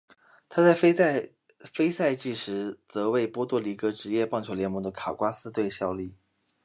他在非赛季时则为波多黎各职业棒球联盟的卡瓜斯队效力。